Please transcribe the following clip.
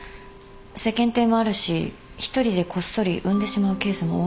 世間体もあるし一人でこっそり産んでしまうケースも多いって。